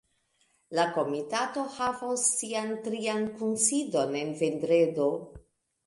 La komitato havos sian trian kunsidon en vendredo.